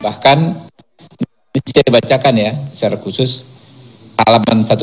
bahkan bisa dibacakan ya secara khusus alaman satu ratus delapan puluh delapan ya